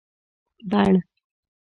بڼ